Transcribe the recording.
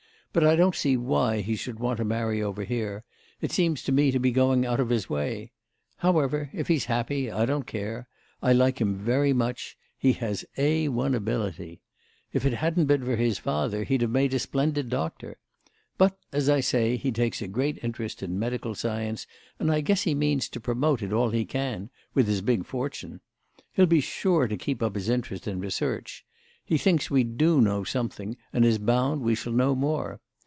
"But I don't see why he should want to marry over here; it seems to me to be going out of his way. However, if he's happy I don't care. I like him very much; he has 'A1' ability. If it hadn't been for his father he'd have made a splendid doctor. But, as I say, he takes a great interest in medical science and I guess he means to promote it all he can—with his big fortune. He'll be sure to keep up his interest in research. He thinks we do know something and is bound we shall know more.